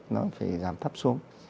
nó phải giảm thấp xuống